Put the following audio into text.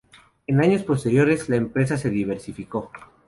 En años posteriores, la empresa se diversificó.